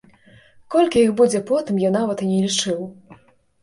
Колькі іх будзе потым, я нават і не лічыў.